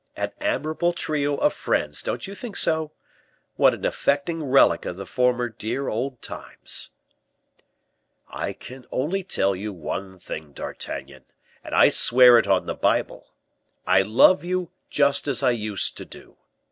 An admirable trio of friends, don't you think so? What an affecting relic of the former dear old times!" "I can only tell you one thing, D'Artagnan, and I swear it on the Bible: I love you just as I used to do.